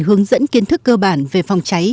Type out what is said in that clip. hướng dẫn kiến thức cơ bản về phòng cháy